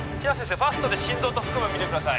ファストで心臓と腹部みてください